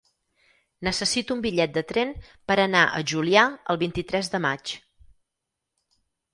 Necessito un bitllet de tren per anar a Juià el vint-i-tres de maig.